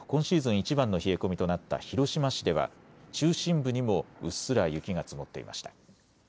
いちばんの冷え込みとなった広島市では中心部にもうっすら雪が積もっていました。